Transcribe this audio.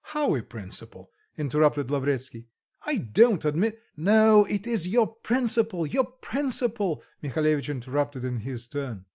"How a principle?" interrupted Lavretsky; "I don't admit " "No, it is your principle, your principle," Mihalevitch interrupted in his turn.